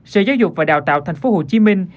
sở giáo dục và đào tạo thành phố hồ chí minh